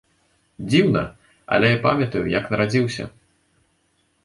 Дзіўна, але я памятаю, як нарадзіўся.